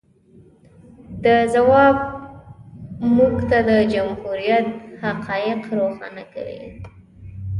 د ځواب موږ ته د جمهوریت حقایق روښانه کوي.